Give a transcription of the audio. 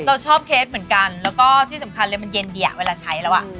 เราชอบเคสเหมือนกันแล้วก็ที่สำคัญเลยมันเย็นดีอ่ะเวลาใช้แล้วอ่ะ